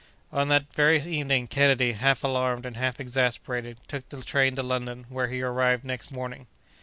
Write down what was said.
On that very evening Kennedy, half alarmed, and half exasperated, took the train for London, where he arrived next morning.